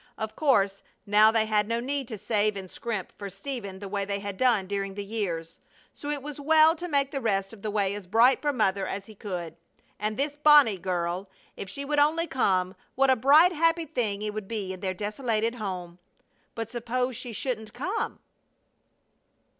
Of course now they had no need to save and scrimp for Stephen the way they had done during the years; so it was well to make the rest of the way as bright for Mother as he could. And this "Bonnie" girl! If she would only come, what a bright, happy thing it would be in their desolated home! But suppose she shouldn't come?